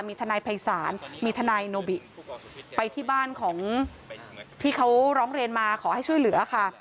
มีทนายภัยศาลมีทนายโนบิไปที่บ้านของที่เขาร้องเรียนมาขอให้ช่วยเหลือค่ะ